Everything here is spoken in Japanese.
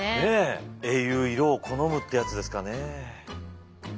英雄色を好むってやつですかね。